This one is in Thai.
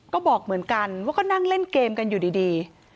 ก็บอกเหมือนกันว่าก็นั่งเล่นเกมกันอยู่ดี